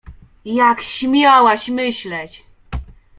— Jak śmiałaś myśleć?